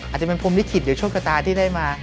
อาจจะเป็นพรมลิขิตหรือโชคชะตาที่ได้มา